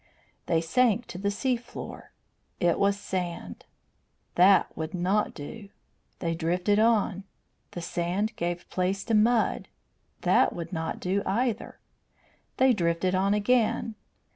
They sank to the sea floor. It was sand. That would not do. They drifted on. The sand gave place to mud. That would not do, either. They drifted on again.